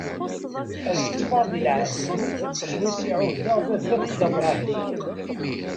Ad ṭṭfeɣ di lɛehd-nni swayes i ɛuhdeɣ baba-k Dda Bṛahim.